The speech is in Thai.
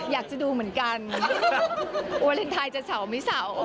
อยากจะดูเหมือนกันแบบวาเลนไทยจะเสาร์ไม่เสา